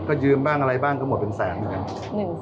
ก็ยืมบ้างอะไรบ้างก็หมดเป็นแสนเหมือนกัน